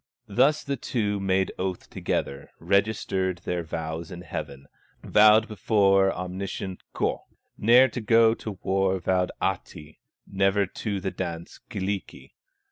Thus the two made oath together, Registered their vows in heaven, Vowed before omniscient Ukko, Ne'er to go to war vowed Ahti, Never to the dance, Kyllikki.